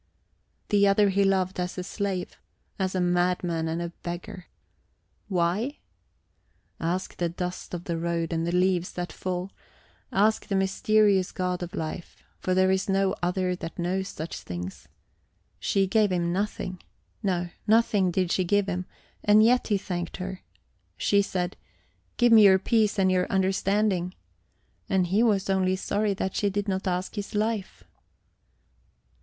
The other he loved as a slave, as a madman and a beggar. Why? Ask the dust of the road and the leaves that fall, ask the mysterious God of life, for there is no other that knows such things. She gave him nothing no, nothing did she give him and yet he thanked her. She said, "Give me your peace and your understanding!" and he was only sorry that she did not ask his life.